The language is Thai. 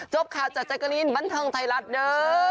จบข้าวจากแจ๊กลีนบรรทังไทยรัฐเด้อ